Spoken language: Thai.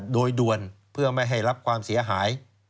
โดยด่วนเพื่อไม่ให้รับความเสียหาย